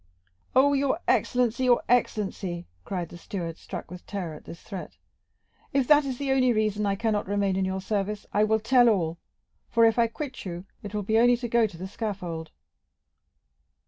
"Oh, your excellency, your excellency!" cried the steward, struck with terror at this threat, "if that is the only reason I cannot remain in your service, I will tell all, for if I quit you, it will only be to go to the scaffold."